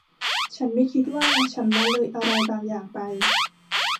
ฉันไม่คิดว่าฉันละเลยอะไรบางอย่างไป